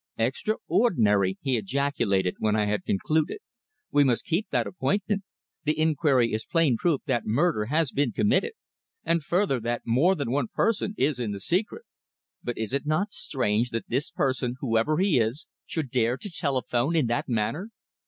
"Extraordinary," he ejaculated, when I had concluded. "We must keep that appointment. The inquiry is plain proof that murder has been committed, and further, that more than one person is in the secret." "But is it not strange that this person, whoever he is, should dare to telephone in that manner?"